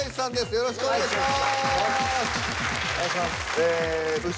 よろしくお願いします。